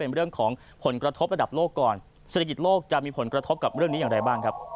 เมื่อก่อนเศรษฐกิจโลกจะมีผลกระทบกับเรื่องนี้อย่างไรบ้างครับ